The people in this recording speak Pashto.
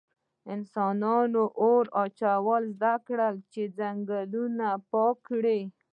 انسانان اور اچول زده کړل چې ځنګلونه پاک کړي.